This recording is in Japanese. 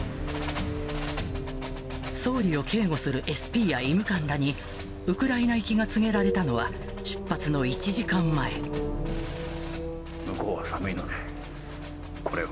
総理を警護するＳＰや医務官らに、ウクライナ行きが告げられたのは向こうは寒いので、これを。